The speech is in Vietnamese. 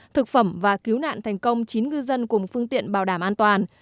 thực phẩm và cứu nạn thành công chín ngư dân cùng phương tiện bảo đảm an toàn